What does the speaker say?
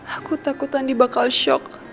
aku takut andi bakal shock